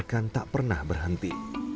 seakan tak pernah berhenti